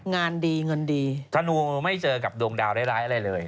งานดีเงินดีธนูไม่เจอกับดวงดาวร้ายอะไรเลย